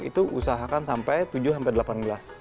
itu usahakan sampai tujuh sampai delapan gelas